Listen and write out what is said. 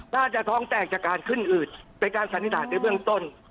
น่าจะท้องแตกจากการขึ้นอืดเป็นการสันนิษฐานในเบื้องต้น